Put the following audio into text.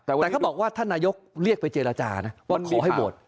แต่เขาบอกว่าท่านนายกเรียกไปเจรจานะว่าขอให้โหวต